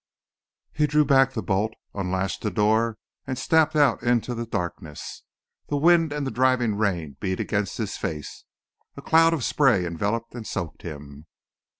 He drew back the bolt, unlatched the door, and stepped out into the darkness. The wind and the driving rain beat against his face. A cloud of spray enveloped and soaked him.